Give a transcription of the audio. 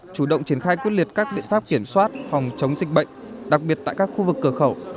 chủ động triển khai quyết liệt các biện pháp kiểm soát phòng chống dịch bệnh đặc biệt tại các khu vực cửa khẩu